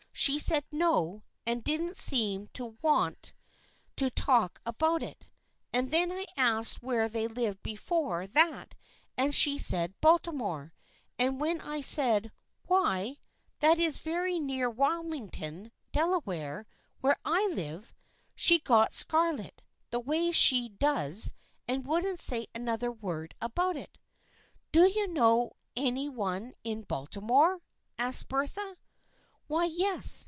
She said no, and didn't seem to want 106 THE FRIENDSHIP OF ANNE to talk about it, and then I asked where they lived before that and she said 1 Baltimore/ and when I said, ' Why, that is very near Wilmington, Dela ware, where I live/ she got scarlet, the way she does, and wouldn't say another word about it." " Do you know any one in Baltimore?" asked Bertha. " Why, yes.